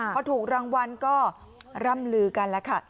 พอถูกรางวัลก็ร่ำลือกันแล้วค่ะ